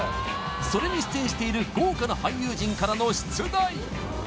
それに出演している豪華な俳優陣からの出題